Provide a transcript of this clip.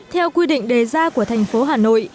theo quy định đề ra của thành phố hà nội